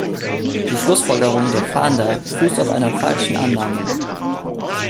Die Schlussfolgerung der Fahnder fußt auf einer falschen Annahme.